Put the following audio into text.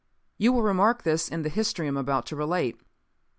You will remark this in the history I am about to relate.